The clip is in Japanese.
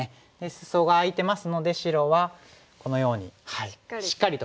スソが空いてますので白はこのようにしっかりと守る。